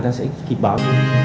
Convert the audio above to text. thì sẽ kịp báo